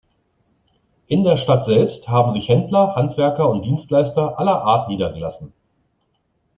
In der Stadt selbst haben sich Händler, Handwerker und Dienstleister aller Art niedergelassen.